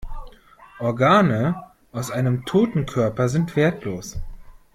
Organe aus einem toten Körper sind wertlos.